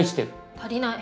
足りない。